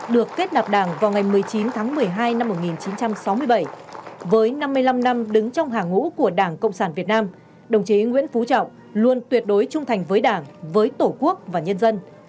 được kết nạp đảng vào ngày một mươi chín tháng một mươi hai năm một nghìn chín trăm sáu mươi bảy với năm mươi năm năm đứng trong hàng ngũ của đảng cộng sản việt nam đồng chí nguyễn phú trọng luôn tuyệt đối trung thành với đảng với tổ quốc và nhân dân